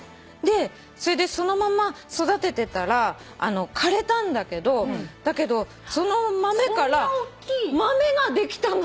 それでそのまま育ててたら枯れたんだけどその豆から豆ができたの。